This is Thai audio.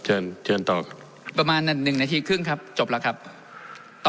เชิญเชิญตอบประมาณหนึ่งนาทีครึ่งครับจบแล้วครับต่อ